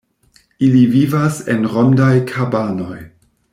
Ili vivas en rondaj kabanoj.